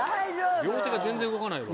両手が全然動かないわ。